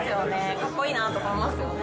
かっこいいなとか思いますよね。